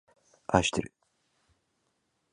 あいしてる